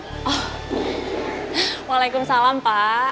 oh waalaikumsalam pak